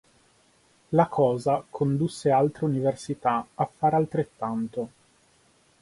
La cosa condusse altre università a fare altrettanto.